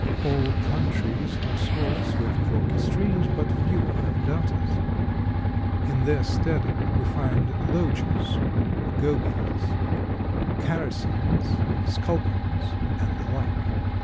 All countries have small, swift, rocky streams, but few have darters. In their stead we find loaches, gobies, characins, sculpins, and the like.